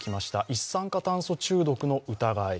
一酸化炭素中毒の疑い。